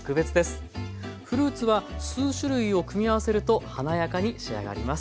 フルーツは数種類を組み合わせると華やかに仕上がります。